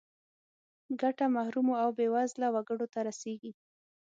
ګټه محرومو او بې وزله وګړو ته رسیږي.